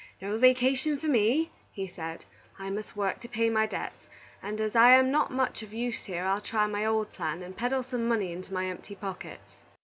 "No vacation for me," he said; "I must work to pay my debts; and as I am not of much use here, I'll try my old plan, and peddle some money into my empty pockets."